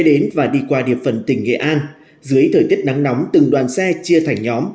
đến và đi qua địa phần tỉnh nghệ an dưới thời tiết nắng nóng từng đoàn xe chia thành nhóm